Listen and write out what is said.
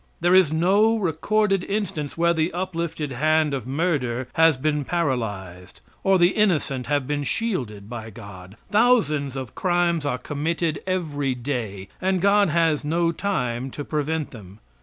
There is no recorded instance where the uplifted hand of murder has been paralyzed, or the innocent have been shielded by God. Thousands of crimes are committed every day, and God has no time to prevent them.